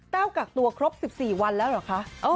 กักตัวครบ๑๔วันแล้วเหรอคะ